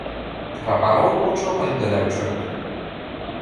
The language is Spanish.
Trabajó mucho con Donald Trump.